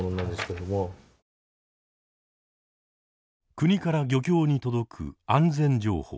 国から漁協に届く安全情報。